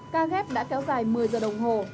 ca ghép đã kéo dài một mươi giờ đồng hồ